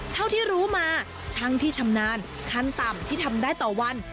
เท่าที่รู้มาช่างที่ชำนาญขั้นต่ำที่ทำได้ต่อวัน